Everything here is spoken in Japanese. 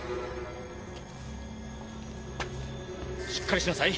しっかりしなさい。